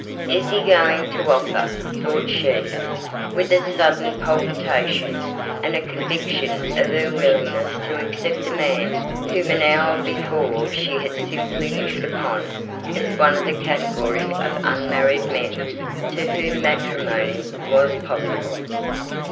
"Is he going to offer?" thought she, with a sudden palpitation, and a conviction of her willingness to accept a man whom an hour before she had simply looked upon as one of the category of unmarried men to whom matrimony was possible.